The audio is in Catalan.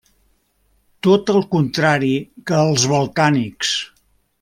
Tot el contrari que els balcànics.